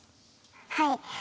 はい。